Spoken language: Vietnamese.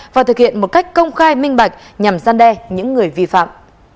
và thực hiện một cách công khai minh bạch nhằm gian đe những người vi phạm